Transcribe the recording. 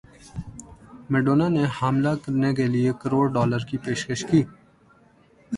Madonna نے حاملہ کرنے کیلئے کروڑ ڈالر کی پیشکش کی